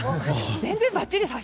全然ばっちり！